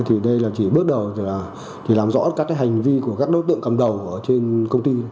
thì đây là chỉ bước đầu là làm rõ các hành vi của các đối tượng